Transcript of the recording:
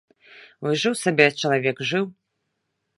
Вось жыў сабе чалавек, жыў.